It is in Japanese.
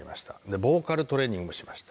ボーカルトレーニングもしました。